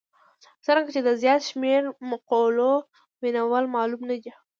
څرنګه چې د زیات شمېر مقولو ویناوال معلوم نه دي.